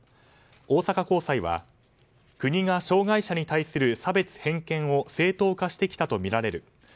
大阪高裁は、国が障害者に対する差別・偏見を正当化してきたとみられる。